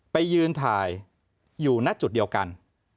ไปยืนถ่ายอยู่ณจุดเดียวกัน